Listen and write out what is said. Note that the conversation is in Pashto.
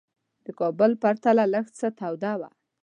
د کابل په پرتله لږ څه توده وه.